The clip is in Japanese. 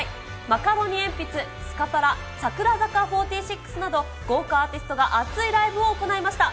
マカロニえんぴつ、スカパラ、櫻坂４６など豪華アーティストが熱いライブを行いました。